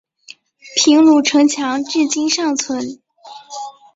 平鲁城墙至今尚存。